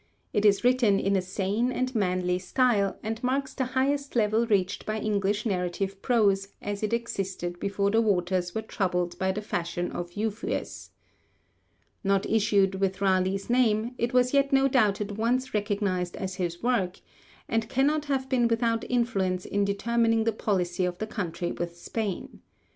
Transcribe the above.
It is written in a sane and manly style, and marks the highest level reached by English narrative prose as it existed before the waters were troubled by the fashion of Euphues. Not issued with Raleigh's name, it was yet no doubt at once recognised as his work, and it cannot have been without influence in determining the policy of the country with Spain.